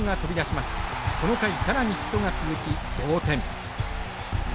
この回更にヒットが続き同点。